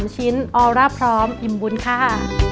๓ชิ้นออร่าพร้อมอิ่มบุญค่ะ